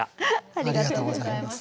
ありがとうございますはい。